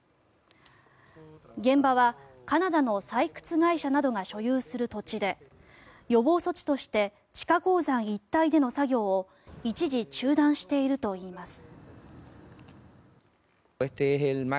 現場はカナダの採掘会社などが所有する土地で予防措置として地下鉱山一帯での作業を一時中断しているといいます。